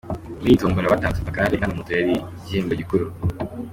Muri iyi tombola batanze amagare, inka na moto yari igihembo gikuru.